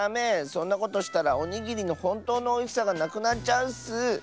そんなことしたらおにぎりのほんとうのおいしさがなくなっちゃうッス！